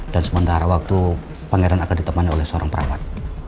dan sementara waktu pangeran akan ditemani oleh seorang perawat